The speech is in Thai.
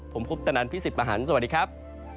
ผมพุทธนันทร์พี่สิบประหันต์สวัสดีครับ